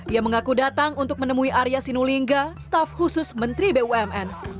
ia mengaku datang untuk menemui arya sinulinga staf khusus menteri bumn